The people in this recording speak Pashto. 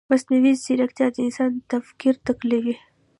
مصنوعي ځیرکتیا د انسان تفکر نقلوي.